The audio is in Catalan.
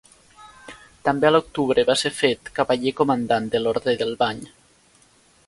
També a l'octubre va ser fet Cavaller Comandant de l'orde del Bany.